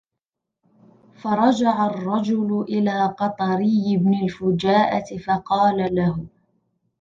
فَرَجَعَ الرَّجُلُ إلَى قَطَرِيِّ بْنِ الْفُجَاءَةِ فَقَالَ لَهُ